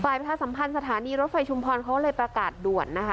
ฝ่ายประทานสำคัญสถานีรถไฟชุมพรเขาเลยประกาศด่วนนะคะ